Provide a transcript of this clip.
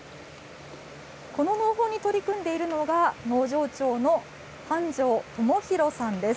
この農法に取り組んでいるのが、農場長の繁昌知洋さんです。